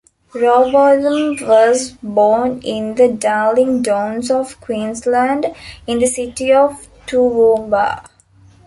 Rowbotham was born in the Darling Downs of Queensland, in the city of Toowoomba.